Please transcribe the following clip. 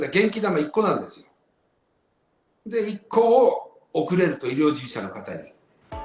１個を送れると、医療従事者の方に。